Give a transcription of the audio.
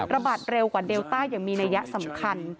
ระบาดเร็วกว่าเดลต้าอย่างมีนัยสำคัญ